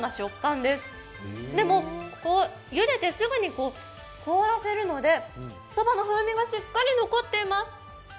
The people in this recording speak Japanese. でも、ゆでてすぐに凍らせるので、そばの風味がしっかり残っています。